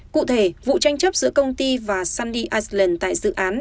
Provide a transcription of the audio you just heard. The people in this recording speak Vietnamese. cụ thể vụ tranh chấp giữa công ty và sunny island tại dự án